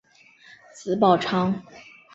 子宝昌。